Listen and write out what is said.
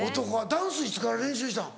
ダンスいつから練習したん？